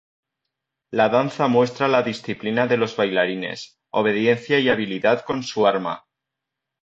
La danza muestra la disciplina de los bailarines, obediencia y habilidad con su arma.